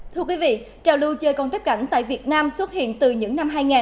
thưa quý vị trào lưu chơi con tép cảnh tại việt nam xuất hiện từ những năm hai nghìn